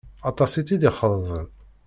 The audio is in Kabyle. Aṭas i tt-id-ixeḍben.